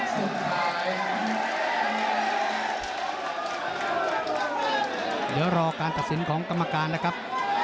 เดี๋ยวรอการตัดสินของกรรมการนะครับ